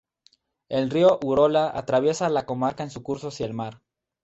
El río Urola atraviesa la comarca en su curso hacia el mar.